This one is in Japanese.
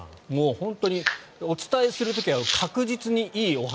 本当にお伝えする時は確実にいいお話。